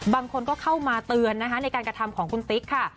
บางคนก็เข้ามาเตือนนะคะในการกระทำของคุณติ๊กค่ะ